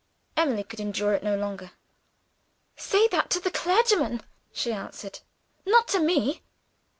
Emily could endure it no longer. "Say that to the clergyman," she answered "not to me."